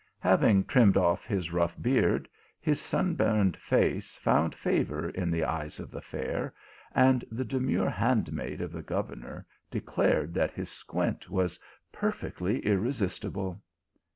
Having trimmed off his rough beard, his sunburnt face found favour in the eyes of the fair, and the demure handmaid of the governor declared that his squint was perfectly irresistible.